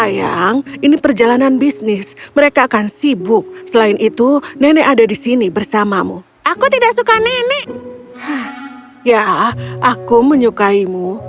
ya aku menyukaimu